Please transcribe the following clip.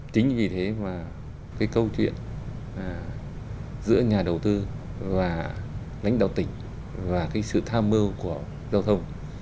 chính vì thế mà cái câu chuyện giữa nhà đầu tư và lãnh đạo tỉnh và cái sự tham mưu của giao thông